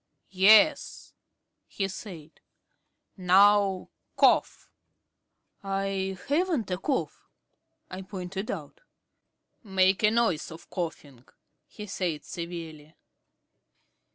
"Yes," he said. "Now cough." "I haven't a cough," I pointed out. "Make the noise of coughing," he said severely.